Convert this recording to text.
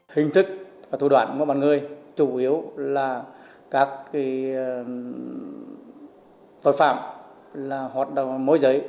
hình thức và thủ đoạn của mọi người chủ yếu là các tội phạm hoạt động mối giới